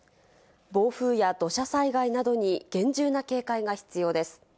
暴風や土砂災害などに厳重な警戒が必要です。